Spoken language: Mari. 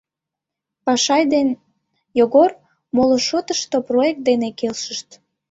Пашай ден Йогор моло шотышто проект дене келшышт.